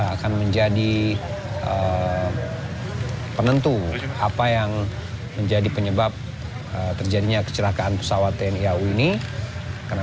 akan menjadi penentu apa yang menjadi penyebab terjadinya kecelakaan pesawat tni au ini karena